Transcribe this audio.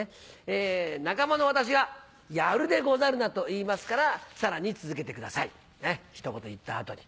仲間の私が「やるでござるな」と言いますからさらに続けてくださいねっひと言言った後に。